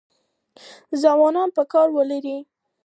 ځوانان به کار ولري؟